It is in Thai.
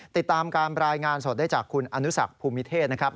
ติดตามการรายงานสดได้จากคุณอนุสักภูมิเทศนะครับ